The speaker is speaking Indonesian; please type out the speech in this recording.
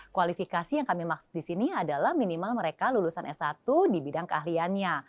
kualifikasi yang kami maksud di sini adalah minimal mereka lulusan s satu di bidang keahliannya